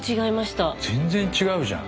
全然違うじゃん。